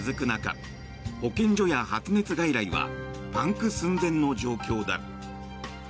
中保健所や発熱外来はパンク寸前の状況だ。